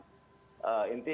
saya ke depan